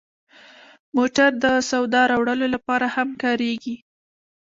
موټر د سودا راوړلو لپاره هم کارېږي.